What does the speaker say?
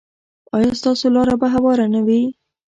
ایا ستاسو لاره به هواره نه وي؟